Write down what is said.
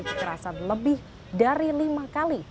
kekerasan lebih dari lima kali